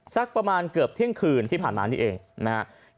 สักประมาณเกือบเที่ยงคืนที่ผ่านมานี่เองนะครับ